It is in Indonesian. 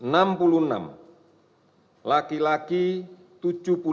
enam puluh lima laki laki empat puluh delapan tahun nampak sakit ringan sedang